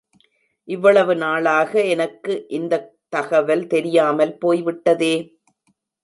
இவ்வளவு நாளாக எனக்கு இந்தத் தகவல் தெரியாமல் போய்விட்டதே!